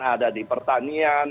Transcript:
ada di pertanian